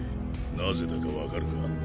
なぜだか分かるか？